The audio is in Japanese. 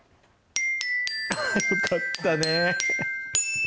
よかったね。